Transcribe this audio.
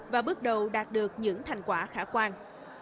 và bước đầu đạt được những thành quả khả quan